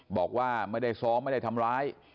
บอกว่าไม่ได้ซ้อมไม่ได้ทำร้าย